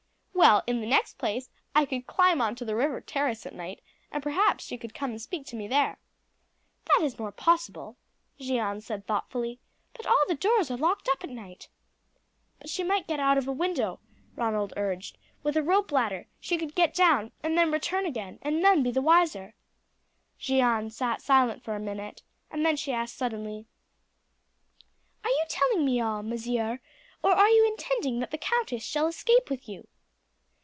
"Well, in the next place, I could climb on to the river terrace at night, and perhaps she could come and speak to me there." "That is more possible," Jeanne said thoughtfully; "but all the doors are locked up at night." "But she might get out of a window," Ronald urged; "with a rope ladder she could get down, and then return again, and none be the wiser." Jeanne sat silent for a minute, and then she asked suddenly: "Are you telling me all, monsieur, or are you intending that the countess shall escape with you?"